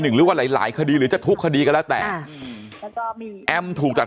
หรือว่าหลายหลายคดีหรือจะทุกคดีก็แล้วแต่แอมถูกจับ